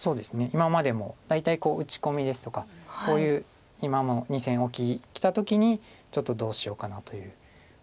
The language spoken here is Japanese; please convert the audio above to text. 今までも大体打ち込みですとかこういう今の２線オキきた時にちょっとどうしようかなということが多いんですけど。